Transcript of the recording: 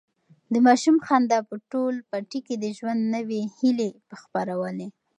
د ماشوم خندا په ټول پټي کې د ژوند نوي هیلې خپرولې.